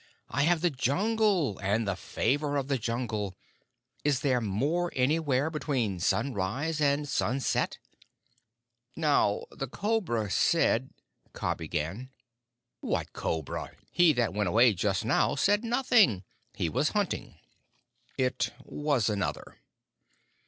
I have the Jungle, and the favor of the Jungle! Is there more anywhere between sunrise and sunset?" "Now, the Cobra said " Kaa began. "What cobra? He that went away just now said nothing. He was hunting." "It was another."